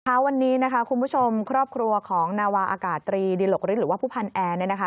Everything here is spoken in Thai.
ช้าวันนี้คุณผู้ชมครอบครัวของนาวาอากาศตรีดินหลกฤทธิ์หรือว่าผู้พันแอร์